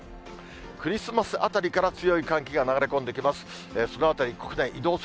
クリスマスあたりから強い寒気が流れ込んできます。